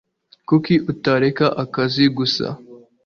Kuki utareka akazi gusa?